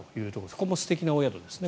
ここも素敵なお宿ですね。